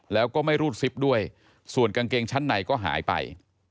แล้วก็ไม่รูดซิปด้วยส่วนกางเกงชั้นในก็หายไป